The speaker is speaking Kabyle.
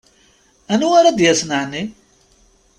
Anwa ara d-yasen, ɛni?